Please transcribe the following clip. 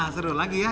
seru lagi ya